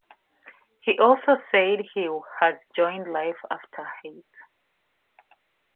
He also said he has joined Life After Hate.